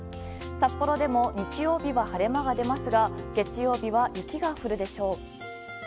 札幌でも日曜日は晴れ間が出ますが月曜日は雪が降るでしょう。